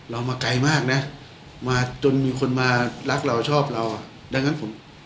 เรามาไกลมากนะมาจนมีคนมารักเราชอบเราอ่ะดังนั้นผม